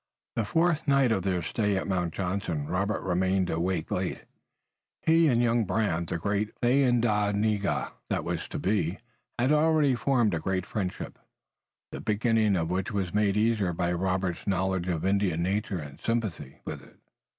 The fourth night of their stay at Mount Johnson Robert remained awake late. He and young Brant, the great Thayendanegea that was to be, had already formed a great friendship, the beginning of which was made easier by Robert's knowledge of Indian nature and sympathy with it.